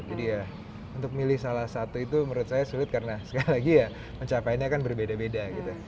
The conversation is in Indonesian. jadi ya untuk milih salah satu itu menurut saya sulit karena sekali lagi ya pencapaiannya kan berbeda beda gitu